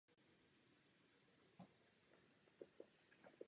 Bydlel v Kralupech nad Vltavou.